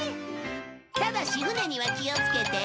ただし船には気をつけて